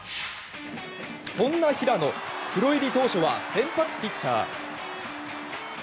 そんな平野プロ入り当初は先発ピッチャー。